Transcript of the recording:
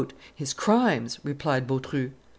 "His crimes," replied Bautru.